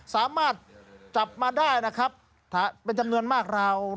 สามารถจับมาได้นะครับเป็นจำนวนมากราว